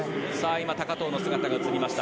今高藤の姿が映りました。